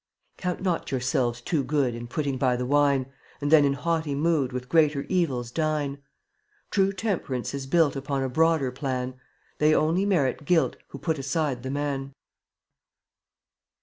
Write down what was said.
eun^ 25 Count not yourselves too good (f)tft/ll* In putting by the wine, n ^ And then in haughty mood \J*£' With greater evils dine. True temperance is built Upon a broader plan, They only merit guilt Who put aside the man.